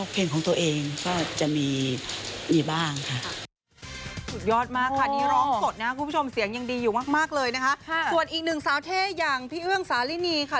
ส่วนอีกหนึ่งสาวเท่อย่างพี่เอื้องสาลินีค่ะ